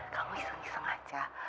kamu iseng iseng aja